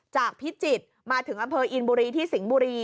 พิจิตรมาถึงอำเภออินบุรีที่สิงห์บุรี